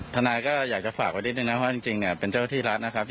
ทนายก็อยากจะฝากไว้นิดนึงนะว่าจริงเนี่ยเป็นเจ้าที่รัฐนะครับ